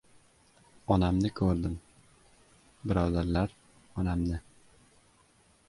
Onamni ko‘rdim, birodarlar, onamni...